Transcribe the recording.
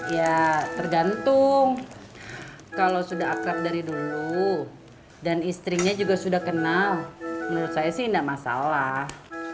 ya tergantung kalau sudah akrab dari dulu dan istrinya juga sudah kenal menurut saya sih tidak masalah